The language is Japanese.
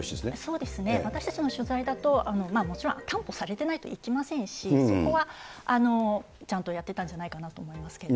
そうですね、私たちの取材だと、もちろん、担保されてないと行きませんし、そこはちゃんとやってたんじゃないかと思いますけれども。